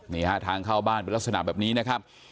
นี่ฮะทางเข้าบ้านเป็นลักษณะแบบนี้นะครับ